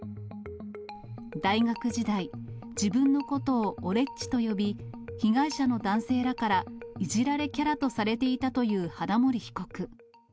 大学時代、自分のことをおれっちと呼び、被害者の男性らからいじられキャラとされていたという花森被告。